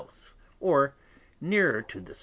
or nearer to the S.